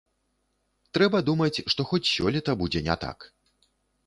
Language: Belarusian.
Трэба думаць, што хоць сёлета будзе не так.